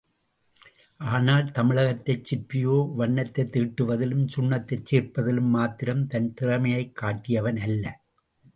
ஆனால், தமிழகத்துச் சிற்பியோ வண்ணத்தைத் தீட்டுவதிலும் சுண்ணத்தைச் சேர்ப்பதிலும் மாத்திரம் தன் திறமையைக் காட்டியவன் அல்ல.